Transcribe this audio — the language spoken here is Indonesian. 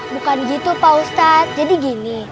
bukan gitu pak ustadz jadi gini